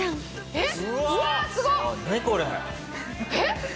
えっ？